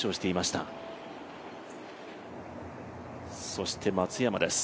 そして松山です。